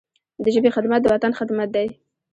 د ژبي خدمت، د وطن خدمت دی.